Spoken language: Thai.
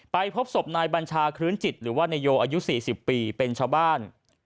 พบศพนายบัญชาคลื้นจิตหรือว่านายโยอายุ๔๐ปีเป็นชาวบ้าน